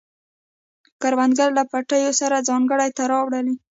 کروندګر له پټیو سره ځانګړی تړاو لري